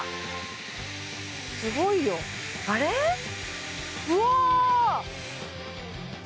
すごいよあれうわ！